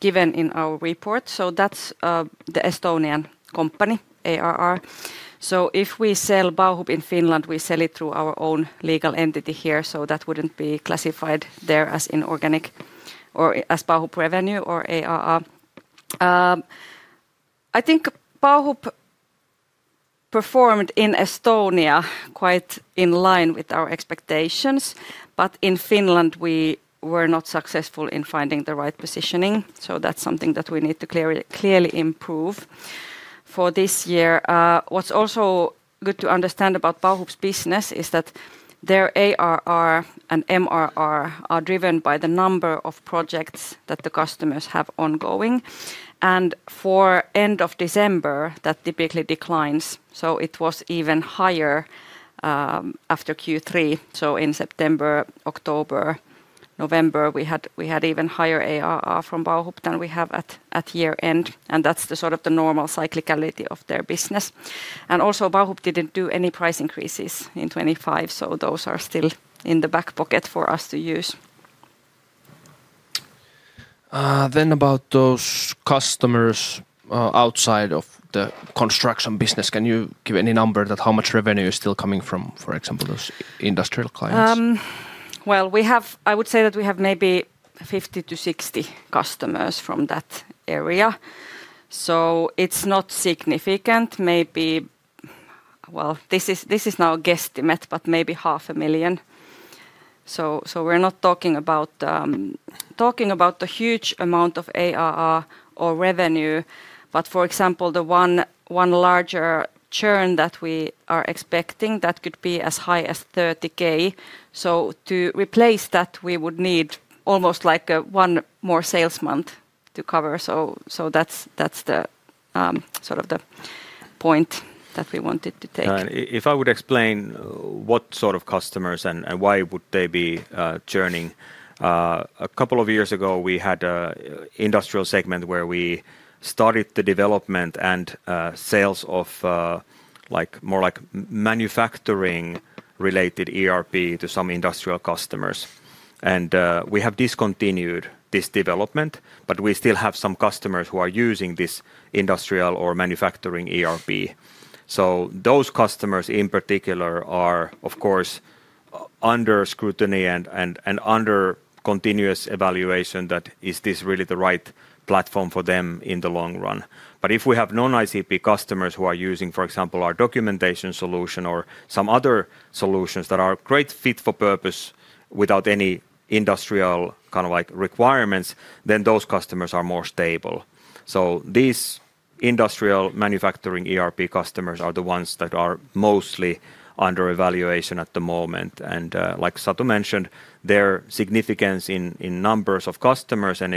given in our report, that's the Estonian company ARR. If we sell Bauhub in Finland, we sell it through our own legal entity here. That wouldn't be classified there as inorganic or as Bauhub revenue or ARR. I think Bauhub performed in Estonia quite in line with our expectations, but in Finland we were not successful in finding the right positioning. That's something that we need to clearly improve for this year. What's also good to understand about Bauhub's business is that their ARR and MRR are driven by the number of projects that the customers have ongoing. And for the end of December, that typically declines. So it was even higher after Q3. So in September, October, November, we had even higher ARR from Bauhub than we have at year end. And that's the sort of normal cyclicality of their business. And also Bauhub didn't do any price increases in 2025, so those are still in the back pocket for us to use. Then about those customers outside of the construction business, can you give any number that how much revenue is still coming from, for example, those industrial clients? Well, I would say that we have maybe 50-60 customers from that area. So it's not significant. Maybe, well, this is now a guesstimate, but maybe 500,000. So we're not talking about the huge amount of ARR or revenue, but for example, the one larger churn that we are expecting, that could be as high as 30,000. So to replace that, we would need almost like one more sales month to cover. So that's sort of the point that we wanted to take. If I would explain what sort of customers and why would they be churning, a couple of years ago, we had an industrial segment where we started the development and sales of more like manufacturing-related ERP to some industrial customers. And we have discontinued this development, but we still have some customers who are using this industrial or manufacturing ERP. Those customers in particular are, of course, under scrutiny and under continuous evaluation. That is, is this really the right platform for them in the long run. But if we have non-ICP customers who are using, for example, our documentation solution or some other solutions that are a great fit for purpose without any industrial kind of like requirements, then those customers are more stable. So these industrial manufacturing ERP customers are the ones that are mostly under evaluation at the moment. And like Satu mentioned, their significance in numbers of customers and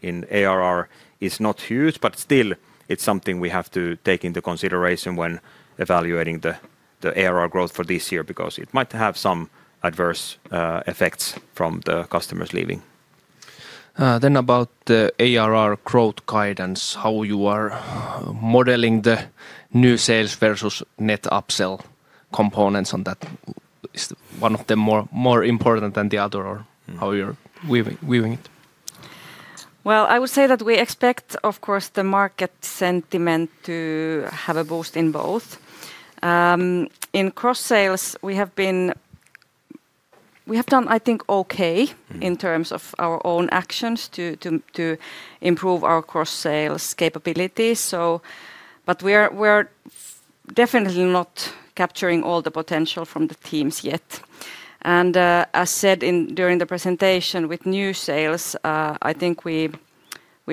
in ARR is not huge, but still it's something we have to take into consideration when evaluating the ARR growth for this year because it might have some adverse effects from the customers leaving. Then about the ARR growth guidance, how you are modeling the new sales versus net upsell components on that. Is one of them more important than the other or how you're weighing it? Well, I would say that we expect, of course, the market sentiment to have a boost in both. In cross-sales, we have done, I think, okay in terms of our own actions to improve our cross-sales capabilities. But we are definitely not capturing all the potential from the teams yet. And as said during the presentation with new sales, I think we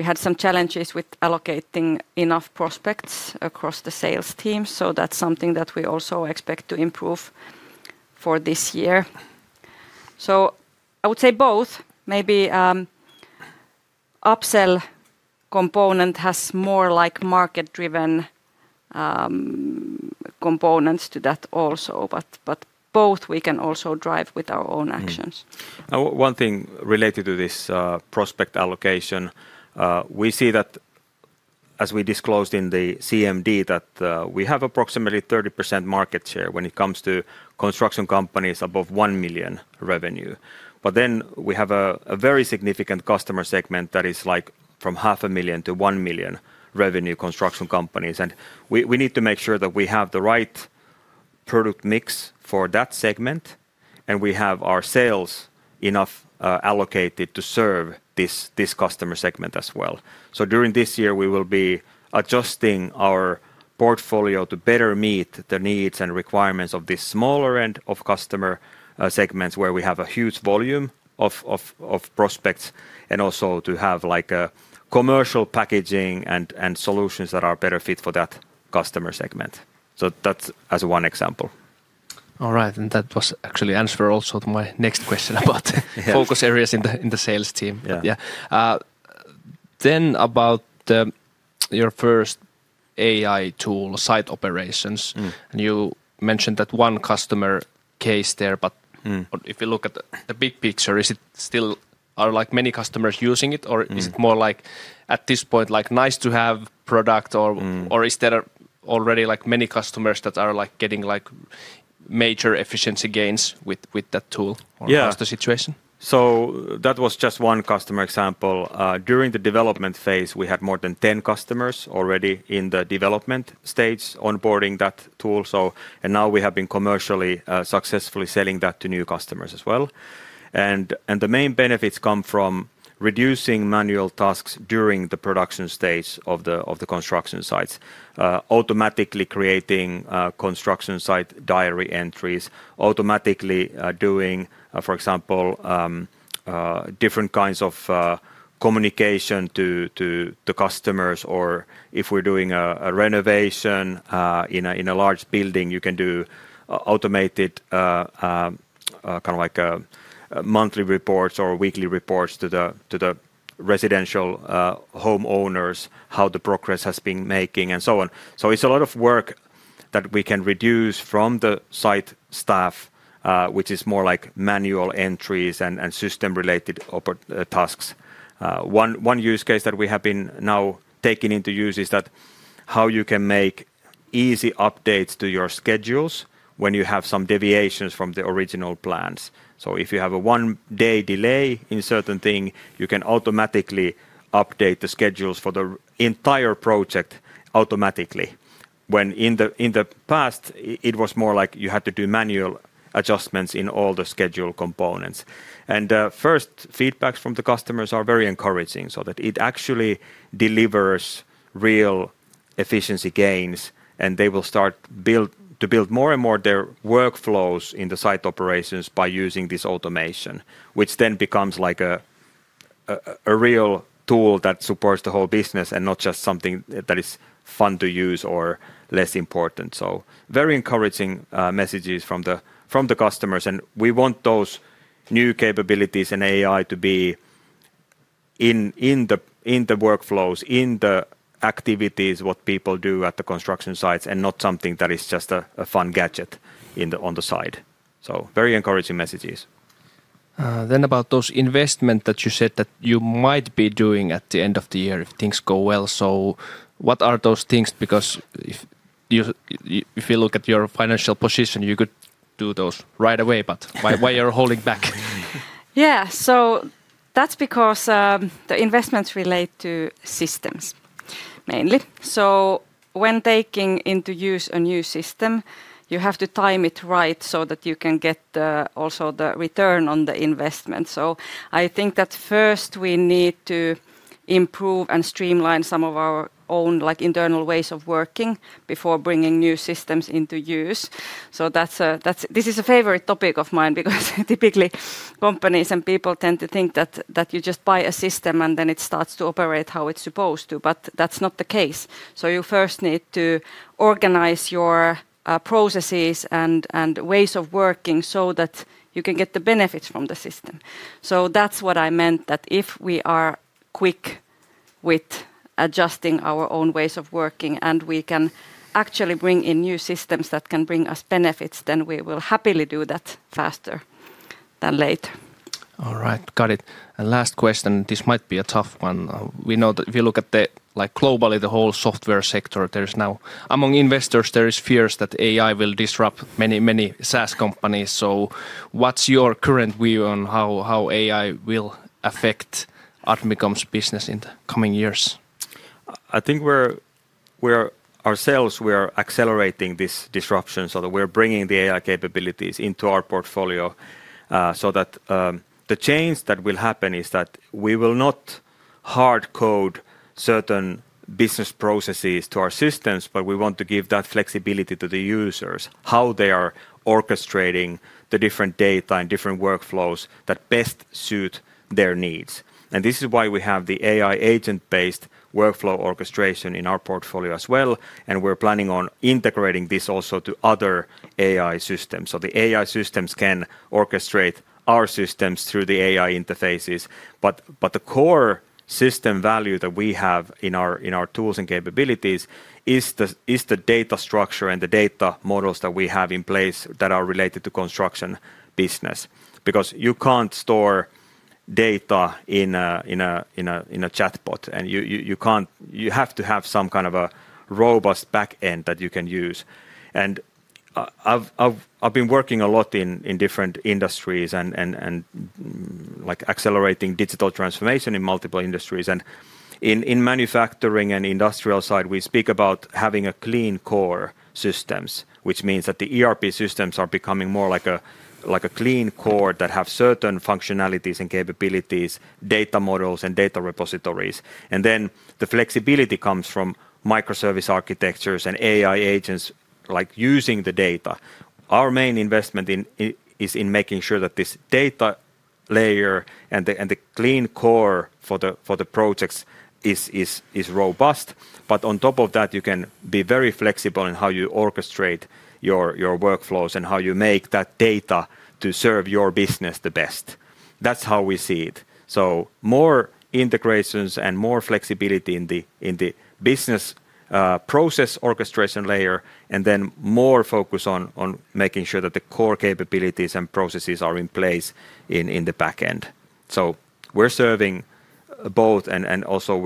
had some challenges with allocating enough prospects across the sales team. So that's something that we also expect to improve for this year. So I would say both. Maybe upsell component has more like market-driven components to that also, but both we can also drive with our own actions. One thing related to this prospect allocation, we see that as we disclosed in the CMD that we have approximately 30% market share when it comes to construction companies above 1 million revenue, but then we have a very significant customer segment that is like from 500,000 to 1 million revenue construction companies, and we need to make sure that we have the right product mix for that segment, and we have our sales enough allocated to serve this customer segment as well, so during this year, we will be adjusting our portfolio to better meet the needs and requirements of this smaller end of customer segments where we have a huge volume of prospects and also to have like a commercial packaging and solutions that are a better fit for that customer segment, so that's as one example. All right, and that was actually the answer also to my next question about focus areas in the sales team. Then, about your first AI tool, Site Operations, and you mentioned that one customer case there, but if you look at the big picture, is it still are like many customers using it, or is it more like at this point like nice to have product, or is there already like many customers that are like getting like major efficiency gains with that tool across the situation? Yeah, so that was just one customer example. During the development phase, we had more than 10 customers already in the development stage onboarding that tool. And now we have been commercially successfully selling that to new customers as well. And the main benefits come from reducing manual tasks during the production stage of the construction sites, automatically creating construction site diary entries, automatically doing, for example, different kinds of communication to the customers, or if we're doing a renovation in a large building, you can do automated kind of like monthly reports or weekly reports to the residential homeowners, how the progress has been making and so on. So it's a lot of work that we can reduce from the site staff, which is more like manual entries and system-related tasks. One use case that we have been now taking into use is that how you can make easy updates to your schedules when you have some deviations from the original plans. So if you have a one-day delay in certain things, you can automatically update the schedules for the entire project automatically. When in the past, it was more like you had to do manual adjustments in all the schedule components. And first feedbacks from the customers are very encouraging so that it actually delivers real efficiency gains, and they will start to build more and more their workflows in the site operations by using this automation, which then becomes like a real tool that supports the whole business and not just something that is fun to use or less important. So very encouraging messages from the customers, and we want those new capabilities and AI to be in the workflows, in the activities, what people do at the construction sites, and not something that is just a fun gadget on the side. So very encouraging messages. Then about those investments that you said that you might be doing at the end of the year if things go well. What are those things? Because if you look at your financial position, you could do those right away, but why are you holding back? Yeah, so that's because the investments relate to systems mainly. So when taking into use a new system, you have to time it right so that you can get also the return on the investment. So I think that first we need to improve and streamline some of our own internal ways of working before bringing new systems into use. So this is a favorite topic of mine because typically companies and people tend to think that you just buy a system and then it starts to operate how it's supposed to, but that's not the case. So you first need to organize your processes and ways of working so that you can get the benefits from the system. So that's what I meant, that if we are quick with adjusting our own ways of working and we can actually bring in new systems that can bring us benefits, then we will happily do that faster than later. All right, got it. And last question, this might be a tough one. We look at it globally, the whole software sector. There is now, among investors, there is fears that AI will disrupt many, many SaaS companies. So what's your current view on how AI will affect Admicom's business in the coming years? I think ourselves, we are accelerating this disruption. So we are bringing the AI capabilities into our portfolio so that the change that will happen is that we will not hard code certain business processes to our systems, but we want to give that flexibility to the users, how they are orchestrating the different data and different workflows that best suit their needs. And this is why we have the AI agent-based workflow orchestration in our portfolio as well. And we're planning on integrating this also to other AI systems. So the AI systems can orchestrate our systems through the AI interfaces. But the core system value that we have in our tools and capabilities is the data structure and the data models that we have in place that are related to construction business. Because you can't store data in a chatbot, and you have to have some kind of a robust backend that you can use. I've been working a lot in different industries and accelerating digital transformation in multiple industries. In manufacturing and industrial side, we speak about having a clean core systems, which means that the ERP systems are becoming more like a clean core that have certain functionalities and capabilities, data models and data repositories. Then the flexibility comes from microservice architectures and AI agents like using the data. Our main investment is in making sure that this data layer and the clean core for the projects is robust. On top of that, you can be very flexible in how you orchestrate your workflows and how you make that data to serve your business the best. That's how we see it. So more integrations and more flexibility in the business process orchestration layer, and then more focus on making sure that the core capabilities and processes are in place in the backend. So we're serving both, and also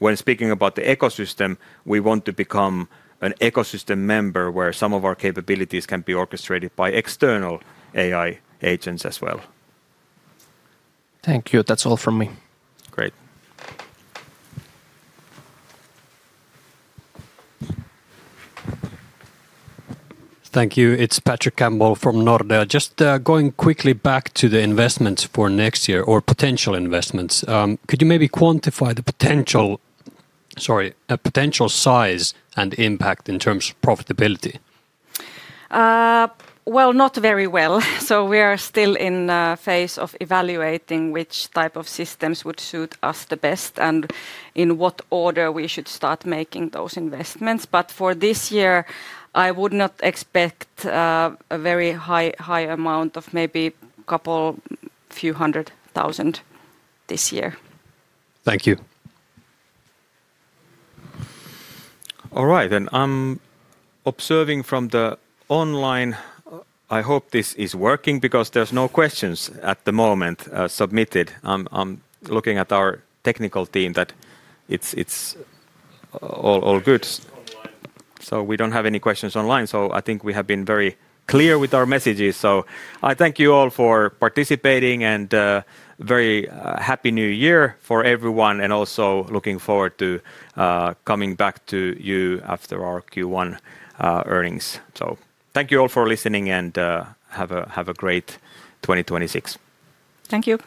when speaking about the ecosystem, we want to become an ecosystem member where some of our capabilities can be orchestrated by external AI agents as well. Thank you. That's all from me. Great. Thank you. It's Patrick Campbell from Nordea. Just going quickly back to the investments for next year or potential investments. Could you maybe quantify the potential size and impact in terms of profitability? Well, not very well. So we are still in the phase of evaluating which type of systems would suit us the best and in what order we should start making those investments. But for this year, I would not expect a very high amount of maybe a couple, few hundred thousand this year. Thank you. All right, and I'm observing from the online. I hope this is working because there's no questions at the moment submitted. I'm looking at our technical team that it's all good, so we don't have any questions online, so I think we have been very clear with our messages, so I thank you all for participating and very happy new year for everyone and also looking forward to coming back to you after our Q1 earnings, so thank you all for listening and have a great 2026. Thank you.